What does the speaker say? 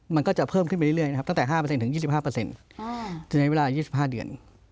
มันก็จะเพิ่มขึ้นไปเรื่อยนะครับตั้งแต่๕๒๕ถึงในเวลา๒๕เดือน